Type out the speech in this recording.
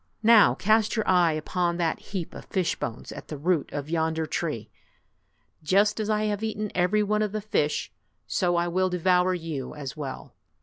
Now cast your eye upon that heap of fish bones at the 38 root of yonder tree. Just as I have eaten every one of the fish, so I will devour you as well!"